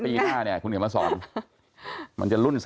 เดี๋ยวปี๕คุณเห็นมาสอนมันจะรุ่น๔๙